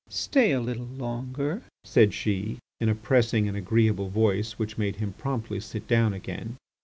"Stay a little longer," said she in a pressing and agreeable voice which made him promptly sit down again.